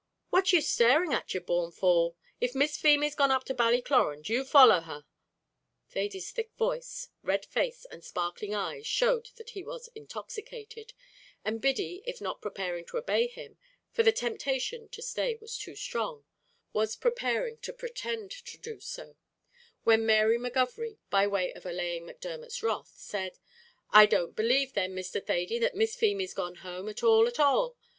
"What are you staring at, you born fool? If Miss Feemy's gone up to Ballycloran, do you follow her." Thady's thick voice, red face, and sparkling eyes showed that he was intoxicated, and Biddy, if not preparing to obey him for the temptation to stay was too strong was preparing to pretend to do so, when Mary McGovery, by way of allaying Macdermot's wrath, said, "I don't believe then, Mr. Thady, that Miss Feemy's gone home, at all at all.